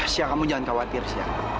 sya kamu jangan khawatir sya